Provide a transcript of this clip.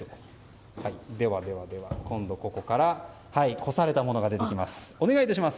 今度ここからこされたものが出てきます。